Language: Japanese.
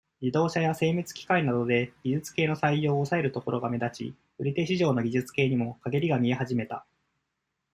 自動車や、精密機械などで、技術系の採用を、抑えるところが目立ち、売り手市場の技術系にも、かげりが見え始めた。